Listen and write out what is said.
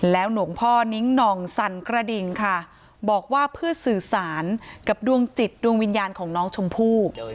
หลวงพ่อนิ้งหน่องสั่นกระดิ่งค่ะบอกว่าเพื่อสื่อสารกับดวงจิตดวงวิญญาณของน้องชมพู่